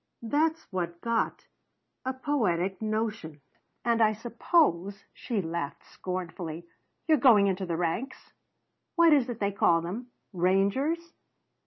That's what got a poetic notion! And I suppose," she laughed scornfully, "you're going into the ranks? What is it they call them? Rangers?